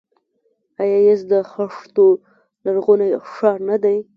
آیا یزد د خښتو لرغونی ښار نه دی؟